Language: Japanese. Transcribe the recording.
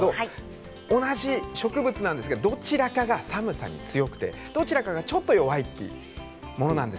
同じ植物なんですがどちらかが寒さに強くてどちらかがちょっと弱いものです。